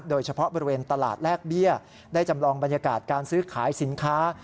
โดยเฉพาะบริเวณตลาดแลกเบี้ยได้จำลองบรรยากาศการซื้อขายสินค้า